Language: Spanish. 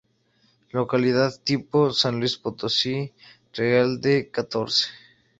Localidad tipo: San Luis Potosí: Real de Catorce.